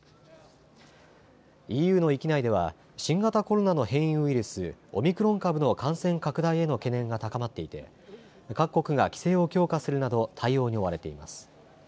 ＥＵの域内では新型コロナの変異ウイルス、オミクロン株の感染拡大への懸念が高まっていて各国が規制を強化するなど対応に追われています。